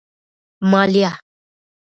مالیه